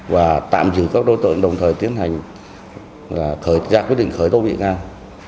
và tạm giữ các đối tượng đồng thời tiến hành ra quyết định khởi tố bị ngang